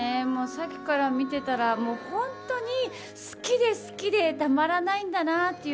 さっきから見てたら本当に好きで好きでたまらないんだなと。